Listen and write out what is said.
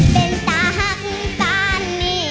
เป็นตาโฮปานิ